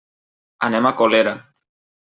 Anem a Colera.